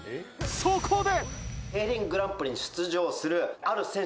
そこで。